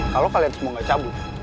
kalau kalian semua gak cabut